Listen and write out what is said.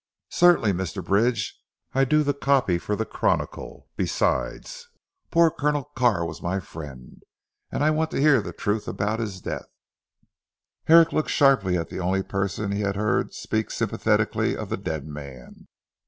"Certainly Mr. Bridge. I do the copy for the Chronicle. Besides, poor Colonel Carr was my friend, and I want to hear the truth about his death." Herrick looked sharply at the only person he had heard speak sympathetically of the dead man.